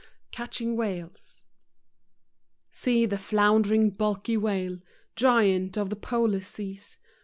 Catching Whales . See the floundering bulky whale, Giant of the polar seas.